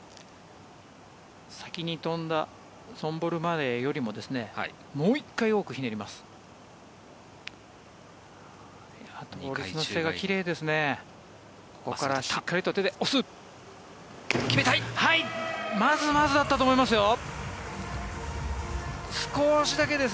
先に飛んだソンボル・マレーよりももう１回多くひねります。